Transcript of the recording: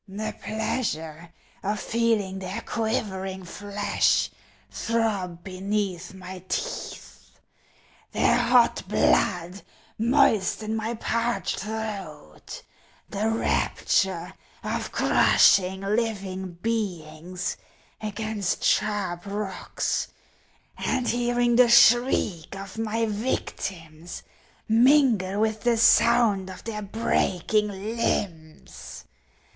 The pleasure of feeling their quivering flesh throb beneath my teeth, their hot blood moisten my parched throat ; the rapture of crushing living beings against sharp rocks, and hearing the shriek of my victims mingle with the sound of their breaking limbs.